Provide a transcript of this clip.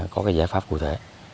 có cái giải pháp cụ thể